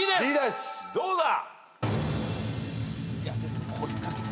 どうだ？